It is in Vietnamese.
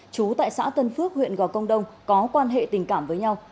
chú tại xã tân phước huyện gò công đông có quan hệ tình cảm với nhau